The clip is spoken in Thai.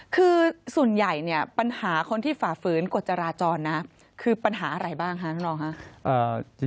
คือส่วนใหญ่เนี่ยปัญหาคนที่ฝ่าฝืนกฎจราจรนะคือปัญหาอะไรบ้างคะท่านรองค่ะ